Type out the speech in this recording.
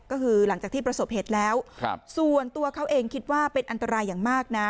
ก็คือหลังจากที่ประสบเหตุแล้วส่วนตัวเขาเองคิดว่าเป็นอันตรายอย่างมากนะ